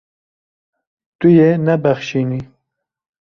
Tu yê nebexşînî.